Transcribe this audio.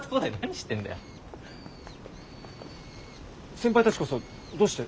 先輩たちこそどうして。